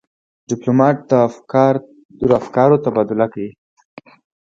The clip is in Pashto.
ډيپلومات د افکارو تبادله کوي.